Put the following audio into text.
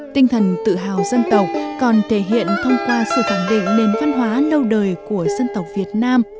tinh thần tự hào dân tộc còn thể hiện thông qua sự khẳng định nền văn hóa lâu đời của dân tộc việt nam